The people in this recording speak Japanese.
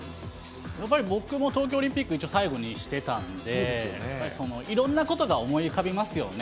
やっぱり僕も東京オリンピック、最後にしてたんで、やっぱりその、いろんなことが思い浮かびますよね。